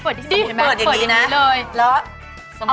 พี่ไอเปิดที่สมุทิแม่